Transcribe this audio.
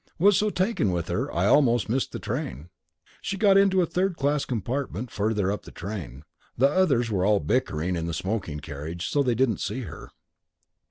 Was so taken with her I almost missed the train. She got into a third class compartment farther up the train. The others were all bickering in the smoking carriage, so they didn't see her.